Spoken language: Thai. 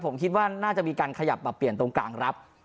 ผมคิดว่าน่าจะมีการขยับมาเปลี่ยนตรงกลางรับ